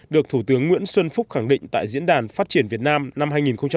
được thủ tướng nguyễn xuân phúc khẳng định tại diễn đàn phát triển việt nam năm hai nghìn một mươi chín